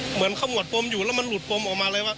เหมือนเขาหมดปมอยู่แล้วมันหลุดปมออกมาเลยว่า